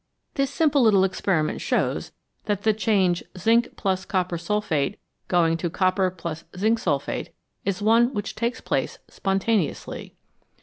This simple little experiment shows that the change zinc + copper sulphate copper fzinc sulphate is one which takes place spontaneously.